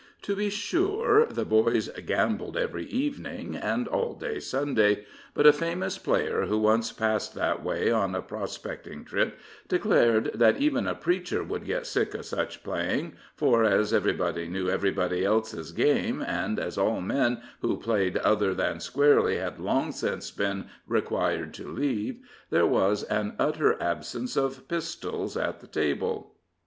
To be sure, the boys gambled every evening and all day Sunday; but a famous player, who once passed that way on a prospecting trip, declared that even a preacher would get sick of such playing; for, as everybody knew everybody else's game, and as all men who played other than squarely had long since been required to leave, there was an utter absence of pistols at the tables.